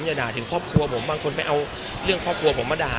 อย่าด่าถึงครอบครัวผมบางคนไปเอาเรื่องครอบครัวผมมาด่า